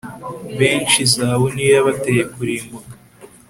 benshi zahabu ni yo yabateye kurimbuka